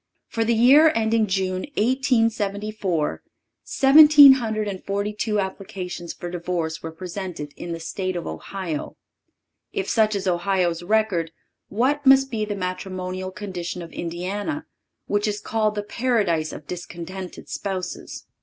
For the year ending June, 1874, seventeen hundred and forty two applications for divorce were presented in the State of Ohio. If such is Ohio's record, what must be the matrimonial condition of Indiana, which is called the paradise of discontented spouses.